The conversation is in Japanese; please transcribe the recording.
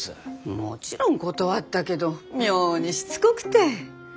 もちろん断ったけど妙にしつこくて。